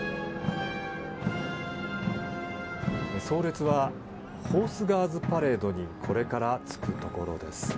葬列はホースガーズパレードにこれから着くところです。